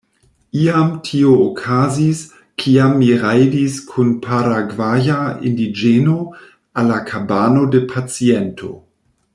Iam tio okazis, kiam mi rajdis kun paragvaja indiĝeno al la kabano de paciento.